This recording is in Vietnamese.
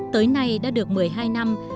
tới nay đã được một mươi hai năm